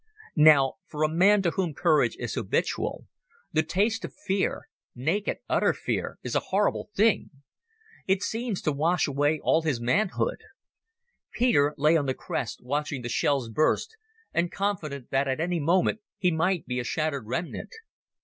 Now, for a man to whom courage is habitual, the taste of fear—naked, utter fear—is a horrible thing. It seems to wash away all his manhood. Peter lay on the crest, watching the shells burst, and confident that any moment he might be a shattered remnant.